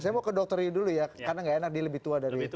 saya mau ke dr riu dulu ya karena tidak enak dia lebih tua dari saya